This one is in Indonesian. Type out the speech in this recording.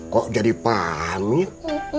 kok jadi pamit